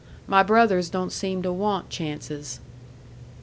My brothers don't seem to want chances."